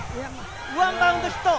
ワンバウンドヒット！